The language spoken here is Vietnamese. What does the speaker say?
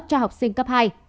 cho học sinh cấp hai